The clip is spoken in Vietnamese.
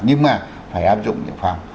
nhưng mà phải áp dụng dự phòng